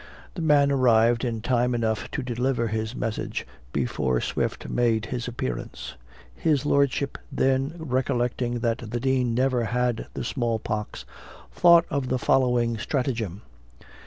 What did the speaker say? The man arrived in time enough to deliver his message before Swift made his appearance. His lordship then recollecting that the dean never had the small pox, thought of the following stratagem.